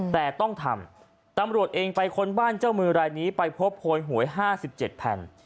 แต่ต้องทำตำรวจเองไปค้นบ้านเจ้ามือรายนี้ไปพบโพยหวย๕๗แผ่น